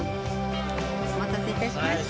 お待たせ致しました。